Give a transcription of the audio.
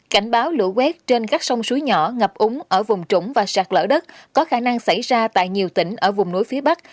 cảnh báo lũ quét trên các sông suối nhỏ ngập úng ở vùng trũng và sạt lở đất có khả năng xảy ra tại nhiều tỉnh ở vùng núi phía bắc